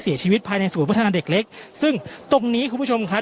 เสียชีวิตภายในศูนย์พัฒนาเด็กเล็กซึ่งตรงนี้คุณผู้ชมครับ